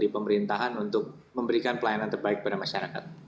di pemerintahan untuk memberikan pelayanan terbaik kepada masyarakat